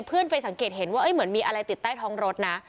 เพื่อนไปสังเกตเห็นว่าเหมือนมีอะไรติดใต้ท้องรถนะ